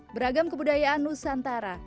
beragam kebudayaan nusantara